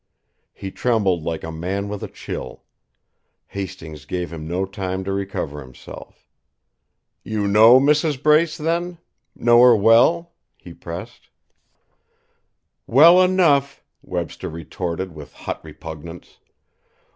He trembled like a man with a chill. Hastings gave him no time to recover himself. "You know Mrs. Brace, then? Know her well?" he pressed. "Well enough!" Webster retorted with hot repugnance.